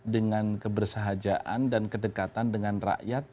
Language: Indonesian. dengan kebersahajaan dan kedekatan dengan rakyat